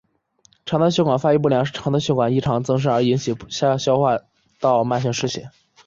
肠道血管发育不良是肠道血管异常增生而引起下消化道慢性失血。